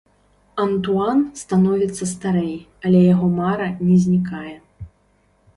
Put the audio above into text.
Антуан становіцца старэй, але яго мара не знікае.